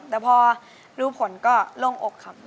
แต่พอรู้ผลก็โล่งอกครับ